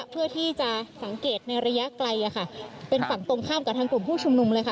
เพื่อที่จะสังเกตในระยะไกลเป็นฝั่งตรงข้ามกับทางกลุ่มผู้ชุมนุมเลยค่ะ